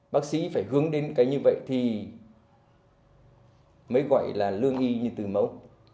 bác sĩ phải hướng đến cái như vậy thì mới gọi là lương y như từ máu